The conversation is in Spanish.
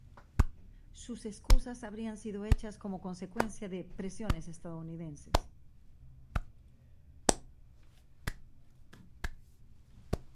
Sus excusas habrían sido hechas como consecuencia de presiones estadounidenses.